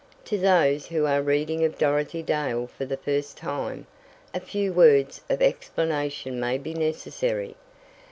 To those who are reading of Dorothy Dale for the first time, a few words of explanation may be necessary.